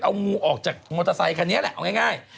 เอางูออกจากมอเตอร์ไซคันนี้แหละเอาง่าย